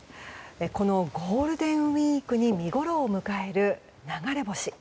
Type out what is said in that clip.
このゴールデンウィークに見ごろを迎える流れ星。